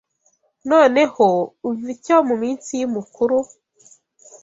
Noneho umva icyo muminsi yumukuru